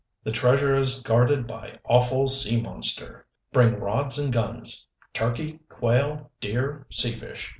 The Treasure is guarded by AWFUL SEA MONSTER P.S. Bring rods and guns. Turkey, quail, deer, sea fish.